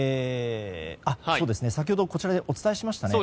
先ほど、こちらでお伝えしましたね。